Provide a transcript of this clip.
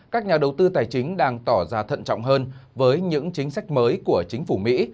các nhà đầu tư tài chính đang tỏ ra thận trọng hơn với những chính sách mới của chính phủ mỹ